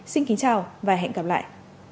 xin kính chào và hẹn gặp lại